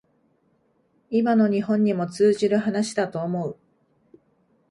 今の日本にも通じる話だと思う